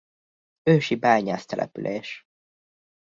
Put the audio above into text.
Ősi bányásztelepülés.